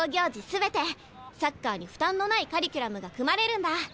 全てサッカーに負担のないカリキュラムが組まれるんだ。